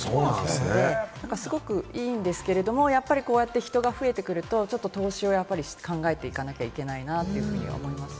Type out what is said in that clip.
すごくいいんですけれども、やっぱりこうやって人が増えてくると、ちょっと投資を考えていかなきゃいけないなというふうには思います。